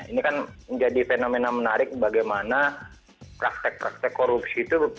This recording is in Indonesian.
ini kan menjadi fenomena menarik bagaimana praktek praktek korupsi itu